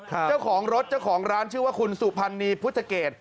เจ้าของรถเจ้าของร้านชื่อว่าคุณสุพรรณีพุทธเกต